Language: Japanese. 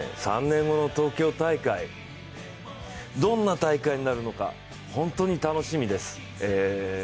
３年後の東京大会、どんな大会になるのか、本当に楽しみです。